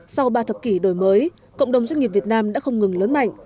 sau ba thập kỷ đổi mới cộng đồng doanh nghiệp việt nam đã không ngừng lớn mạnh